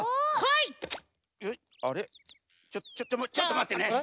ちょちょちょっとまってね。